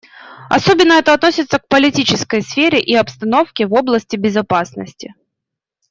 Особенно это относится к политической сфере и обстановке в области безопасности.